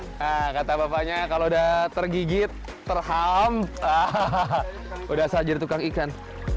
nah kata bapaknya kalau udah tergigit terham udah asal jadi tukang ikan